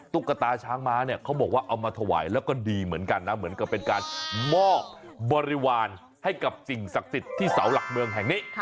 ตุ๊กตาช้างม้าเนี่ยเขาบอกว่าเอามาถวายแล้วก็ดีเหมือนกันนะเหมือนกับเป็นการมอบบริวารให้กับสิ่งศักดิ์สิทธิ์ที่เสาหลักเมืองแห่งนี้